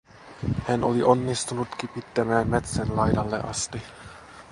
Hän oli onnistunut kipittämään metsän laidalle asti.